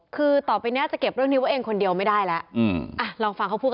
คือต่อไปนี้อาจจะเก็บเรื่องนี้ว่าเองคนเดียวไม่ได้แล้ว